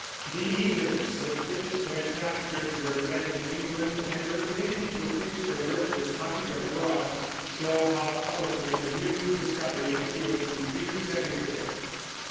The eagerness with which their chapters were read in England, and the rapidity with which their work was copied abroad, show how powerfully the new discovery appealed to readers everywhere.